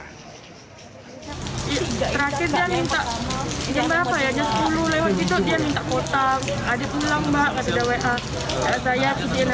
kalau adik pulang adik wa ngerti kenapa udah sampai katanya